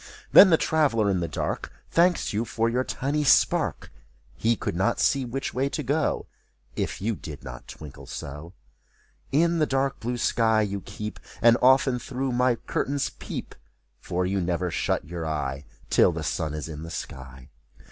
Then the traveler in the dark. Thanks you for your tiny spark ! He could not see which way to go, If you did not twinkle so. In the dark blue sky you keep, And often through my curtains peep. For you never shut your eye Till the sun is in the sky.